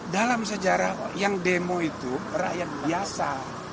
dalam sejarah yang demo itu rakyat biasa